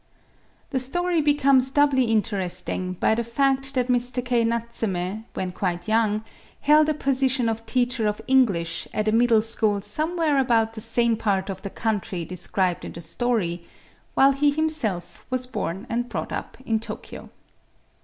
The story becomes doubly interesting by the fact that Mr. K. Natsume, when quite young, held a position of teacher of English at a middle school somewhere about the same part of the country described in the story, while he himself was born and brought up in Tokyo.